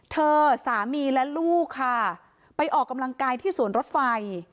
เธอสามีและลูกค่ะไปออกกำลังกายที่สวนรถไฟ